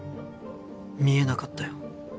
見えなかったよ。